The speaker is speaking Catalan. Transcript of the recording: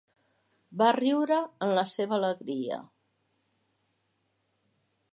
Va riure en la seva alegria.